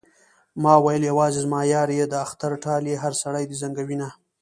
ما ويل يوازې زما يار يې د اختر ټال يې هر سړی دې زنګوينه